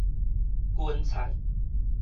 根菜